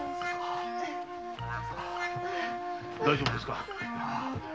大丈夫ですか？